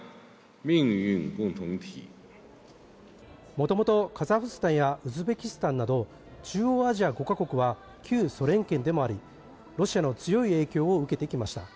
もともとカザフスタンやウズベキスタンなど中央アジア５か国は旧ソ連圏でもありロシアの強い影響を受けてきました。